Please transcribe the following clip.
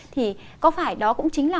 thì có phải đó cũng chính là